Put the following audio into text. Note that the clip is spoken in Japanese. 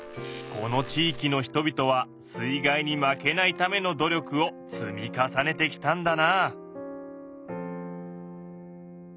この地域の人々は水害に負けないための努力を積み重ねてきたんだなあ。